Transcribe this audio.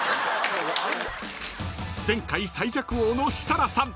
［前回最弱王の設楽さん］